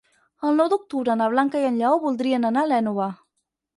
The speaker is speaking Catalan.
El nou d'octubre na Blanca i en Lleó voldrien anar a l'Énova.